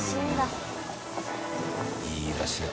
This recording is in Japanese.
いいだしだ。